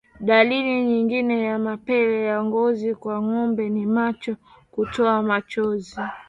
Dalili nyingine ya mapele ya ngozi kwa ngombe ni macho kutoa machozi